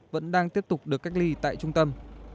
vẫn đang tiếp tục được cách ly tại trung tâm